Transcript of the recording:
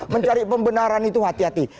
mencari pembenaran itu hati hati